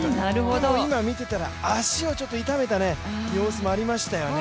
でも今、見ていたら足をちょっと痛めた様子もありましたよね。